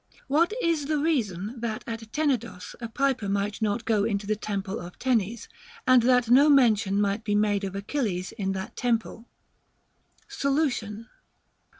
What is the reason that at Tenedos a piper might not go into the temple of Tenes, and that no mention might be made of x\chilles in that temple? Solution.